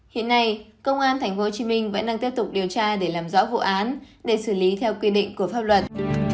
hiện nay công an tp hcm vẫn đang tiếp tục điều tra để làm rõ vụ án để xử lý theo quy định của pháp luật